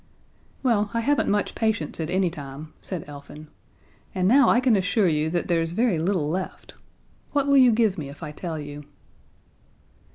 "Well, I haven't much patience at any time," said Elfin, "and now I can assure you that there's very little left. What will you give me if I tell you?"